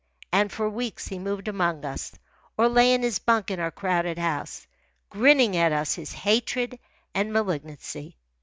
And for weeks he moved among us, or lay in his bunk in our crowded house, grinning at us his hatred and malignancy.